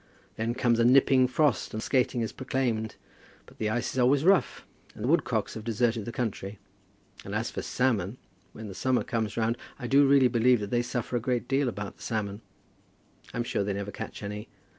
Then comes a nipping frost, and skating is proclaimed; but the ice is always rough, and the woodcocks have deserted the country. And as for salmon, when the summer comes round I do really believe that they suffer a great deal about the salmon. I'm sure they never catch any.